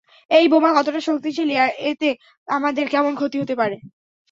এই বোমা কতটা শক্তিশালী, আর এতে আমাদের কেমন ক্ষতি হতে পারে?